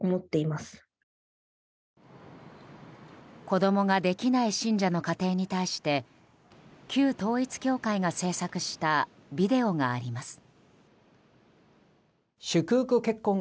子供ができない信者の家庭に対して旧統一教会が制作したビデオがあります。